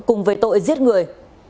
cùng về tội giết người